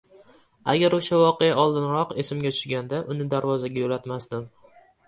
Agar o‘sha voqea oldinroq esimga tushganda, uni darvozaga yo‘latmasdim.